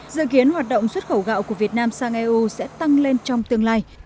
dự kiến hoạt động xuất khẩu gạo của việt nam sang eu sẽ tăng lên trong tương lai